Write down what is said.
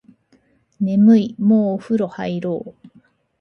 眠いもうお風呂入ろう